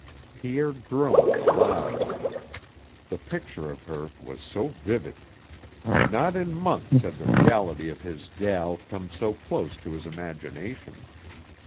Pierre groaned aloud. The picture of her was so vivid. Not in months had the reality of his "gel" come so close to his imagination.